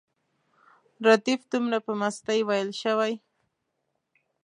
ردیف دومره په مستۍ ویل شوی.